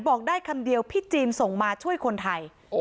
บอกได้คำเดียวพี่จีนส่งมาช่วยคนไทย